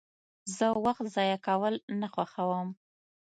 زه وخت ضایع کول نه خوښوم.